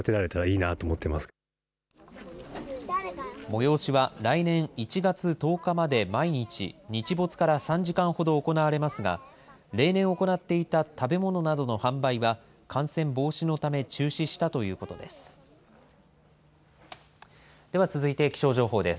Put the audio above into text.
催しは来年１月１０日まで毎日、日没から３時間ほど行われますが、例年行っていた食べ物などの販売は、感染防止のため中止したということです。